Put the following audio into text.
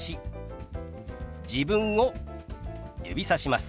自分を指さします。